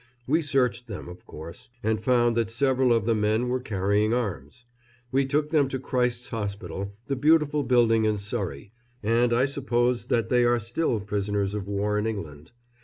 We searched them, of course, and found that several of the men were carrying arms. We took them to Christ's Hospital, the beautiful building in Surrey, and I suppose that they are still prisoners of war in England.